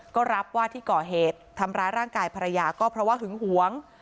ก็รับว่าที่ก่อเหตุทำร้ายร่างกายภรรยาก็เพราะว่าหึงหวง